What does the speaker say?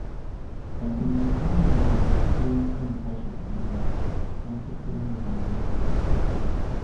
Obwenzi bwayinzanga okuviirako omukazi okunoba n’addukira mu banganda ze.